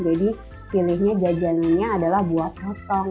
jadi pilihnya jajanannya adalah buah potong